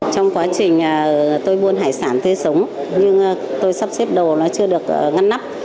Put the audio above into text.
trong quá trình tôi buôn hải sản tươi sống nhưng tôi sắp xếp đồ nó chưa được ngăn nắp